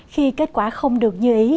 khi kết quả không được như ý